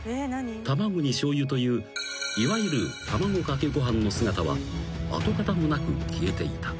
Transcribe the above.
卵にしょうゆといういわゆる卵かけご飯の姿は跡形もなく消えていた］